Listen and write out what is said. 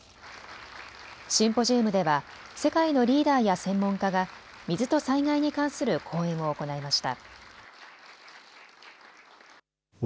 シンポジウムでは世界のリーダーや専門家が水と災害に関する講演を行いました。